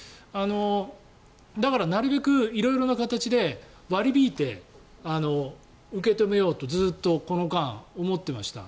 だから、なるべく色々な形で割り引いて受け止めようとずっとこの間、思っていました。